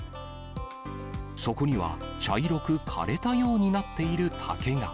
そこには茶色く枯れたようになっている竹が。